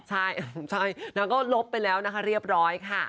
ใช่ใช่แล้วก็ลบไปแล้วนะคะเรียบร้อยค่ะ